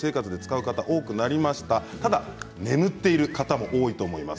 ただ眠っている方も多いと思います。